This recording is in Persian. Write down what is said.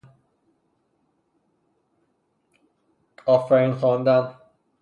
آفرین خواندن